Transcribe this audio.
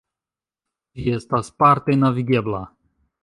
Ĝi estas parte navigebla.